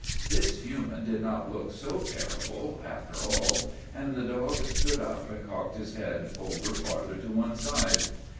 This human did not look so terrible, after all, and the dog stood up and cocked his head over farther to one side.